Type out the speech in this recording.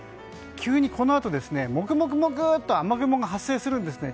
急にこのあと、もくもくもくっと雨雲が発生するんですね。